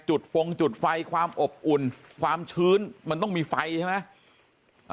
ฟงจุดไฟความอบอุ่นความชื้นมันต้องมีไฟใช่ไหม